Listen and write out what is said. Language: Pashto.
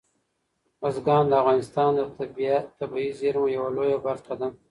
بزګان د افغانستان د طبیعي زیرمو یوه لویه برخه ده.